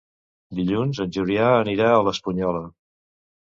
Dilluns en Julià anirà a l'Espunyola.